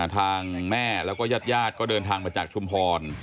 ทางแม่แล้วก็ญาติก็เดินทางมาจากชุมพร